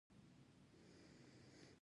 • صنعتي انقلاب د ښارونو د پراختیا لامل شو.